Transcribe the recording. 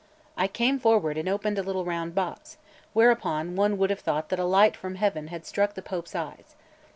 I came forward, and opened a little round box; whereupon one would have thought that a light from heaven had struck the Pope's eyes.